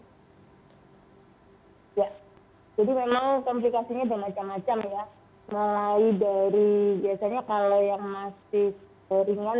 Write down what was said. hai ya jadi memang komplikasinya bermacam macam ya mulai dari biasanya kalau yang masih ringan